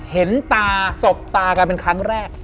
เห็นตาสบตากันเป็นครั้งแรก